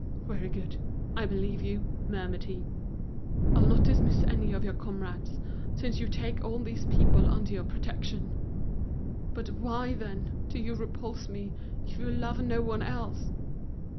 "Very good, I believe you," murmured he. "I'll not dismiss any of your comrades, since you take all these people under your protection. But why, then, do you repulse me, if you love no one else?"